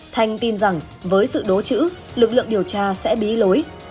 thanh tin rằng với sự đố chữ lực lượng điều tra sẽ bí lối